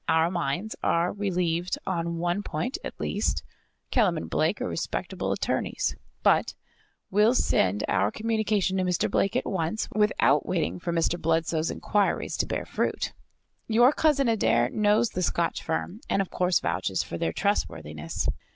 "Our minds are relieved on one point, at least. Kellam & Blake are respectable attorneys. We will send our communication to Mr. Blake at once, without waiting for Mr. Bludsoe's enquiries to bear fruit. Your Cousin Adair knows the Scotch firm, and of course vouches for their trustworthiness."